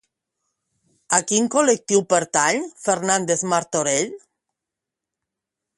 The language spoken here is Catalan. A quin col·lectiu pertany Fernández-Martorell?